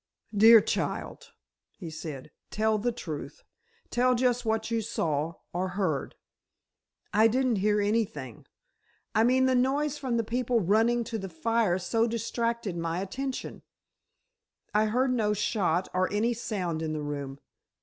"Dear child," he said, "tell the truth. Tell just what you saw—or heard." "I didn't hear anything—I mean the noise from the people running to the fire so distracted my attention, I heard no shot or any sound in the room.